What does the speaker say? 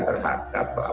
dari mulai dulu ke hilirnya